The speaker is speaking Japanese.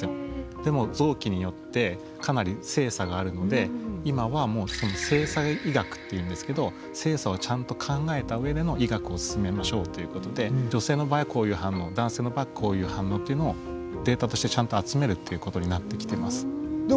でも臓器によってかなり性差があるので今は性差医学っていうんですけど性差をちゃんと考えた上での医学を進めましょうということで女性の場合はこういう反応男性の場合こういう反応っていうのをデータとしてちゃんと集めるっていうことになってきてます。